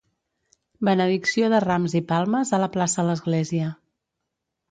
Benedicció de rams i palmes a la plaça l'església.